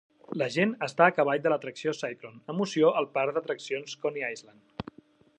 La gent està a cavall de la atracció Cyclone emoció al parc d'atraccions Coney Island.